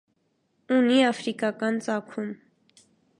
Ունի աֆրիկական ծագում։